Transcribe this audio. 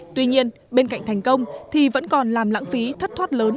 tuy nhiên bên cạnh thành công thì vẫn còn làm lãng phí thất thoát lớn